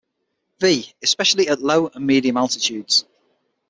V, especially at low and medium altitudes.